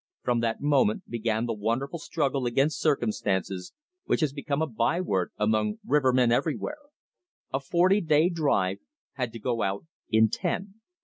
From that moment began the wonderful struggle against circumstances which has become a by word among rivermen everywhere. A forty day drive had to go out in ten.